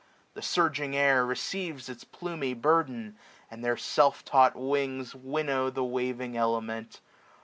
The surging air receives Its plumy burden ; and their self taught wings Winnow the waving element.